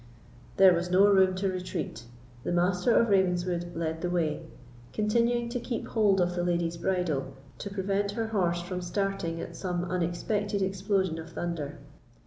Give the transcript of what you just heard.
There was no room to retreat. The Master of Ravenswood led the way, continuing to keep hold of the lady's bridle to prevent her horse from starting at some unexpected explosion of thunder.